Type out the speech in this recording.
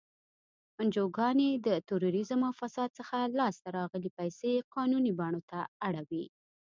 انجوګانې د تروریزم او فساد څخه لاس ته راغلی پیسې قانوني بڼو ته اړوي.